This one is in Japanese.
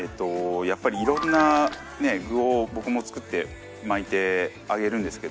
やっぱり色んな具を僕も作って巻いて揚げるんですけど。